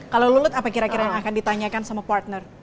kalau lulut apa kira kira yang akan ditanyakan sama partner